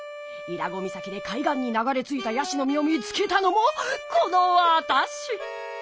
伊良湖岬で海岸に流れついた椰子の実を見つけたのもこのわたし！